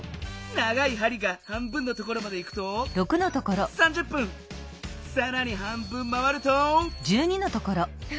長いはりが半分のところまでいくとさらに半分回ると。